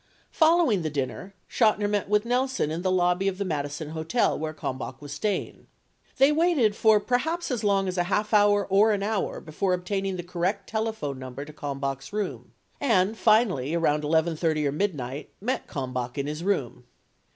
Following the dinner, Chotiner met with Nelson in the lobby of the Madison Hotel, where Kalmbach was staying. They waited for per haps as long as a half hour or an hour before obtaining the correct telephone number to Kalmbach's room and, finally around 11 :30 or midnight, met Kalmbach in his room.